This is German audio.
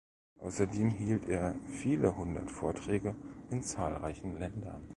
Außerdem hielt er viele hundert Vorträge in zahlreichen Ländern.